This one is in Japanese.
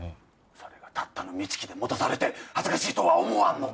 それがたったの三月で戻されて恥ずかしいとは思わんのか？